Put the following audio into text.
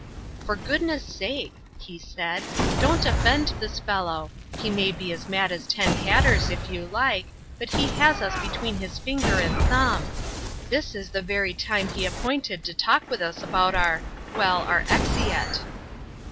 "For goodness sake," he said, "don't offend this fellow; he may be as mad as ten hatters, if you like, but he has us between his finger and thumb. This is the very time he appointed to talk with us about our well, our exeat."